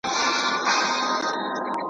د عقل لاري تر منزله رسېدلي نه دي .